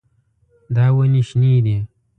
دا ونې شنې دي.